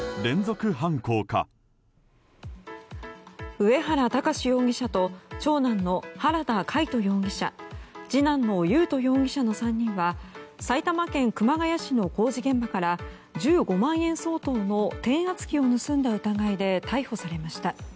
上原巌容疑者と長男の原田魁斗容疑者次男の優斗容疑者の３人は埼玉県熊谷市の工事現場から１５万円相当の転圧機を盗んだ疑いで逮捕されました。